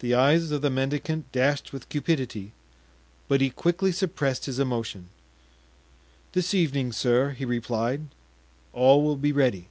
The eyes of the mendicant dashed with cupidity, but he quickly suppressed his emotion. "This evening, sir," he replied, "all will be ready."